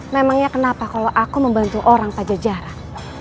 memangnya kenapa kalau aku membantu orang pajajaran